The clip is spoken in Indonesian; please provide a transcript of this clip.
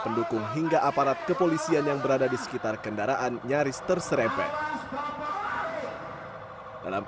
pendukung hingga aparat kepolisian yang berada di sekitar kendaraan nyaris terserepet dalam